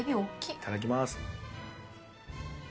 いただきます。